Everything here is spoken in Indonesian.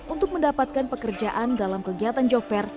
untuk mendapatkan pekerjaan dalam kegiatan jokver